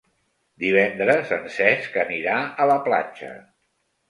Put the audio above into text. Divendres en Cesc anirà a la platja.